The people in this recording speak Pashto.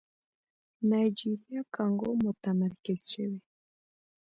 نایجيريا کانګو متمرکز شوی.